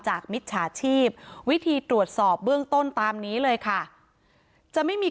มิจฉาชีพวิธีตรวจสอบเบื้องต้นตามนี้เลยค่ะจะไม่มี